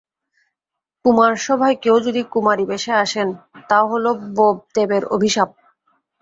কুমারসভায় কেউ যদি কুমারীবেশে আসেন তা হলে বোপদেবের অভিশাপ।